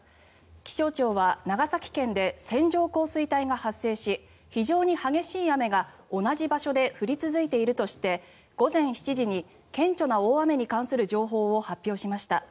気象庁は長崎県で線状降水帯が発生し非常に激しい雨が同じ場所で降り続いているとして午前７時に顕著な大雨に関する情報を発表しました。